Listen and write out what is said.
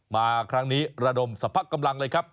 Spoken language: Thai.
มาครั้งนี้ระดมสรรพกำลังเลยครับ